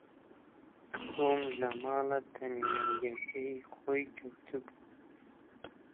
چووم لە ماڵە تەنیایییەکەی خۆی کەوتبوو.